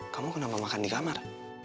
kamu kenapa makan di kamar